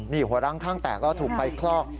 หนีหัวรั้งทั้งแต่ก็ถูกไฟคลอก